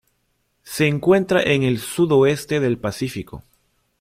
Se encuentra en el sudoeste del Pacífico.